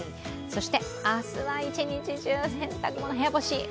明日は一日中、洗濯物、部屋干し。